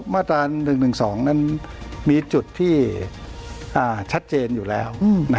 มาตรา๑๑๒นั้นมีจุดที่ชัดเจนอยู่แล้ว